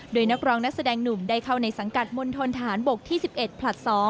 โดยนักร้องนักแสดงหนุ่มได้เข้าในสังกัดมณฑนทหารบกที่๑๑ผลัด๒